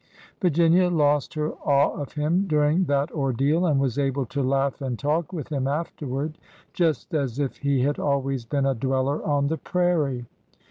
Virginia lost her awe of him during that ordeal, and was able to laugh and talk with him afterward, just as if he had always been a dweller on the prairie.